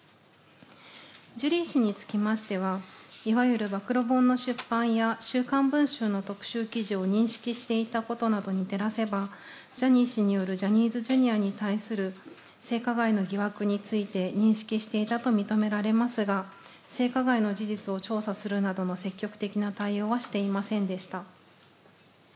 ジュリー氏につきましては、いわゆる暴露本の出版や週刊文春の特集記事を認識していたことに照らせば、ジャニー氏によるジャニーズＪｒ．に対する性加害の疑惑について認識していたと認められますが、性加害の事実を調査するなどの積極的な対応はしていませんでした。